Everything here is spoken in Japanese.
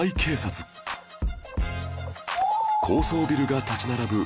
高層ビルが立ち並ぶ